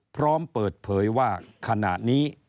พร้อมเปิดเผยว่าขณะนี้